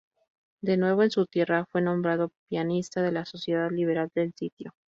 De nuevo en su tierra, fue nombrado pianista de la sociedad liberal El Sitio.